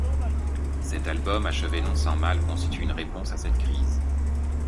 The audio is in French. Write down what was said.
Cet album, achevé non sans mal, constitue une réponse à cette crise.